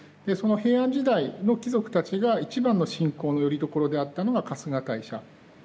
その平安時代の貴族たちが一番の信仰のよりどころであったのが春日大社。